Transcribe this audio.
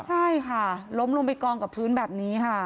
ใช่ค่ะล้มลงไปกองกับพื้นแบบนี้ค่ะ